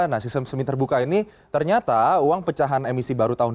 nah sistem semi terbuka ini ternyata uang pecahan emisi barang